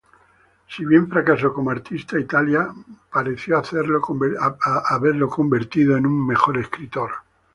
Si bien fracasó como artista, Italia pareció haberlo convertido en un mejor escritor.